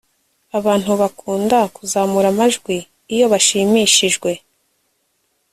abantu bakunda kuzamura amajwi iyo bashimishijwe